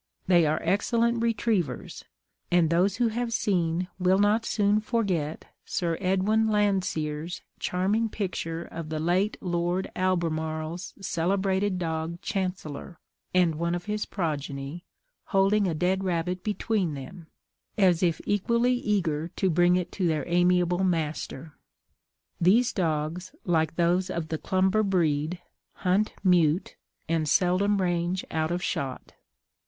They are excellent retrievers; and those who have seen will not soon forget Sir Edwin Landseer's charming picture of the late Lord Albemarle's celebrated dog Chancellor, and one of his progeny, holding a dead rabbit between them, as if equally eager to bring it to their amiable master. These dogs, like those of the Clumber breed, hunt mute, and seldom range out of shot.